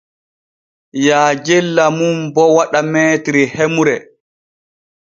Yaajella mum bo waɗa m hemre.